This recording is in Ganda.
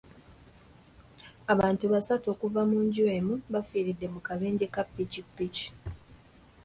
Abantu basatu okuva mu nju emu baafiiridde mu kabenje ka ppikipiki.